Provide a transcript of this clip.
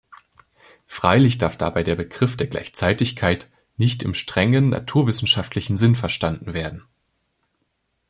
Freilich darf dabei der Begriff der Gleichzeitigkeit nicht im strengen naturwissenschaftlichen Sinn verstanden werden.